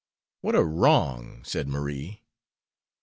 "What a wrong!" said Marie.